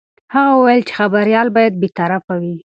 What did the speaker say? هغه وویل چې خبریال باید بې طرفه وي.